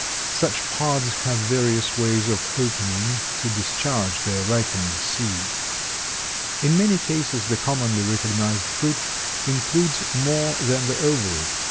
Such pods have various ways of opening to discharge their ripened seeds. In many cases the commonly recognized fruit includes more than the ovary.